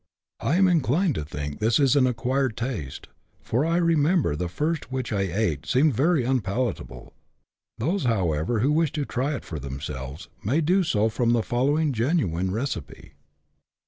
I am inclined to think this is an acquired taste, for I remember the first which I ate seemed very unpalatable ; those, however, who wish to try for them selves may do so from the following genuine receipt :— Take CHAP.